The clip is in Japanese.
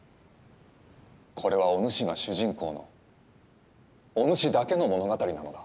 これはおぬしが主人公のおぬしだけの物語なのだ。